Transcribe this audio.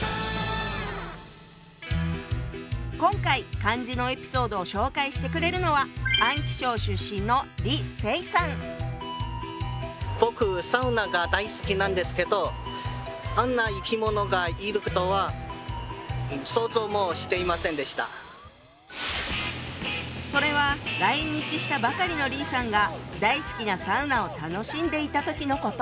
今回漢字のエピソードを紹介してくれるのはそれは来日したばかりの李さんが大好きなサウナを楽しんでいた時のこと。